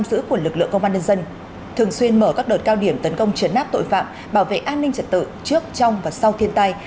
các cơ sở giam giữ của lực lượng công an nhân dân thường xuyên mở các đợt cao điểm tấn công truyền nắp tội phạm bảo vệ an ninh trật tự trước trong và sau tiên tai